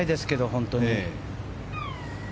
本当に。